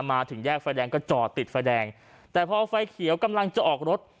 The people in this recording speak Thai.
มาถึงแยกไฟแดงก็จอดติดไฟแดงแต่พอไฟเขียวกำลังจะออกรถ